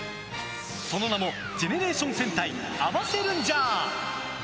その名もジェネレーション戦隊合わせルンジャー！